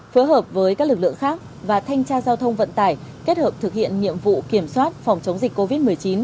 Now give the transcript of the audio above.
phối hợp với các lực lượng khác và thanh tra giao thông vận tải kết hợp thực hiện nhiệm vụ kiểm soát phòng chống dịch covid một mươi chín